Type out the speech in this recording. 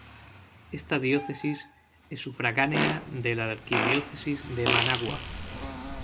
Esta diócesis es sufragánea de la Arquidiócesis de Managua.